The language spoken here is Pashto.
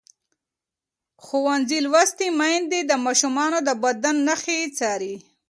ښوونځې لوستې میندې د ماشومانو د بدن نښې څاري.